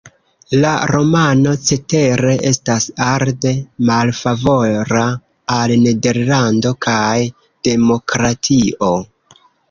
La romano, cetere, estas arde malfavora al Nederlando kaj demokratio.